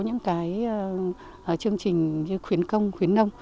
những cái chương trình như khuyến công khuyến nông